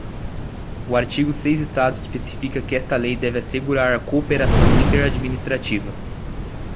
O artigo seis estados especifica que esta lei deve assegurar a cooperação inter-administrativa.